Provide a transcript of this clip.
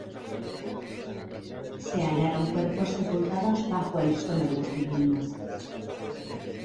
Se hallaron cuerpos sepultados bajo el suelo de las viviendas.